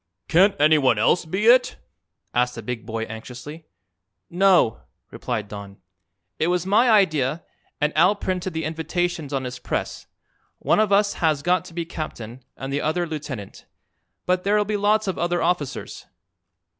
"Can't anyone else be it?" asked a big boy anxiously. "No," replied Don. "It was my idea, and Al printed the invitations on his press. One of us has got to be captain and the other lieutenant. But there'll be lots of other officers."